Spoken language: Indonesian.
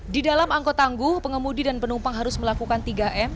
di dalam angkot tangguh pengemudi dan penumpang harus melakukan tiga m